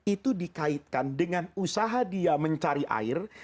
itu dikaitkan dengan usaha dia mencari air